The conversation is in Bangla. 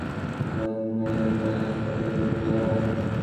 শিশুটিকে মুমূর্ষু অবস্থায় প্রথমে ফরিদপুর মেডিকেল কলেজ হাসপাতালে ভর্তি করা হয়।